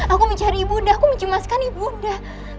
aku mencari ibu nda aku menjemaskan ibu nda